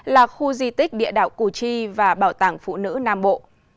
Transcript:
là khu di tích địa đạo củ chi và bảo tàng phụ nữ nam bộ